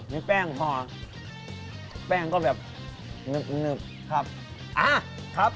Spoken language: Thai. มีแป้งพอแป้งก็แบบหนึบครับอ่าครับ